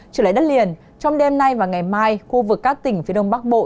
trở lại đất liền trong đêm nay và ngày mai khu vực các tỉnh phía đông bắc bộ